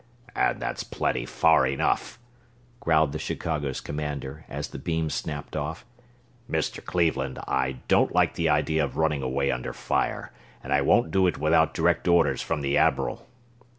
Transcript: "And that's plenty far enough!" growled the Chicago's commander, as the beam snapped off. "Mr. Cleveland, I don't like the idea of running away under fire, and I won't do it without direct orders from the Admiral."